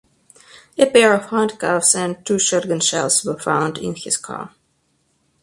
A pair of handcuffs and two shotgun shells were found in his car.